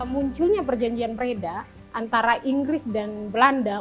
munculnya perjanjian pereda antara inggris dan belanda